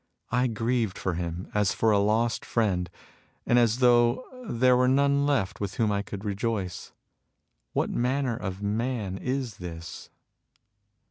I grieved for him as for a lost friend, and as though there were none left with whom I could rejoice. What manner of man is this